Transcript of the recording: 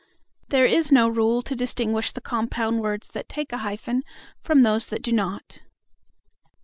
There is no rule to distinguish the compound words that take a hyphen from those that do not.